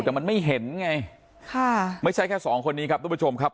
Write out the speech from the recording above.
แต่มันไม่เห็นไงค่ะไม่ใช่แค่สองคนนี้ครับทุกผู้ชมครับ